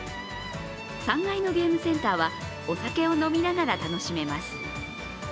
３階のゲームセンターはお酒を飲みながら楽しめます。